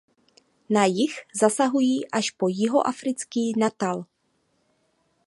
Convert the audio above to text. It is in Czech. Na jih zasahují až po jihoafrický Natal.